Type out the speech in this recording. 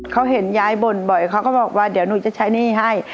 เขาเห็นยายบ่นบ่อยเขาก็บอกว่าเดี๋ยวหนูจะใช้หนี้ให้